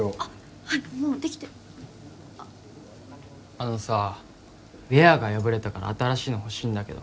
あのさウエアが破れたから新しいの欲しいんだけど。